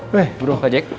weh burung kak jek